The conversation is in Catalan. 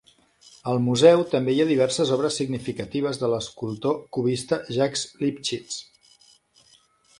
Al museu també hi ha diverses obres significatives de l'escultor cubista Jacques Lipchitz.